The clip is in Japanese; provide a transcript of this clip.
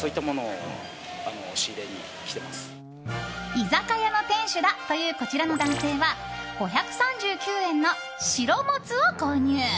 居酒屋の店主だというこちらの男性は５３９円の白もつを購入。